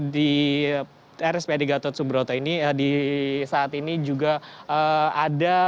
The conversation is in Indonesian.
di rspad gatot subroto ini saat ini juga ada